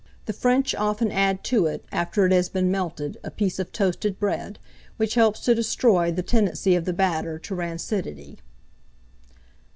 The French often add to it, after it has been melted, a piece of toasted bread, which helps to destroy the tendency of the batter to rancidity.